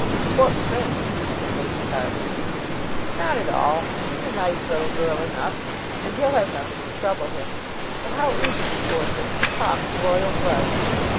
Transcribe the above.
"Poor Prince!" said Lady Carbury. "Not at all. She's a nice little girl enough, and he'll have nothing to trouble him. But how is she, poor thing, to talk to royal blood?"